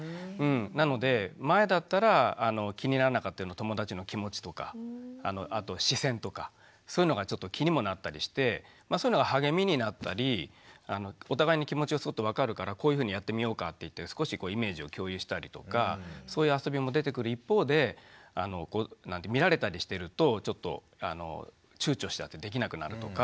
なので前だったら気にならなかったような友だちの気持ちとかあと視線とかそういうのがちょっと気にもなったりしてそういうのが励みになったりお互いに気持ちが分かるからこういうふうにやってみようかって少しイメージを共有したりとかそういう遊びも出てくる一方で見られたりしてるとちょっとちゅうちょしちゃってできなくなるとか。